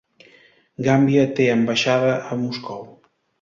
Gàmbia té ambaixada a Moscou.